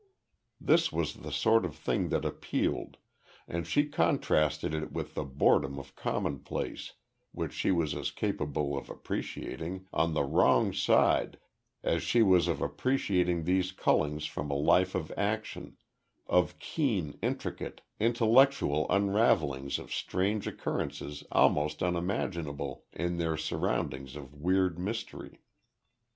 This was the sort of thing that appealed, and she contrasted it with the boredom of commonplace, which she was as capable of appreciating on the wrong side as she was of appreciating these cullings from a life of action; of keen, intricate, intellectual unravellings of strange occurrences almost unimaginable in their surroundings of weird mystery.